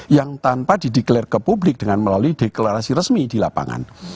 yang tanpa dideklarasi ke publik dengan melalui deklarasi resmi di lapangan